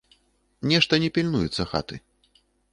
Нешта не пільнуецца хаты.